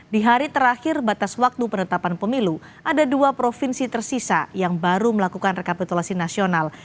di hari terakhir batas waktu penetapan pemilu ada dua provinsi tersisa yang baru melakukan rekapitulasi nasional